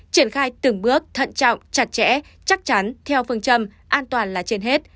triển khai từng bước thận trọng chặt chẽ chắc chắn theo phương châm an toàn là trên hết